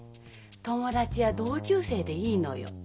友達や同級生でいいのよ。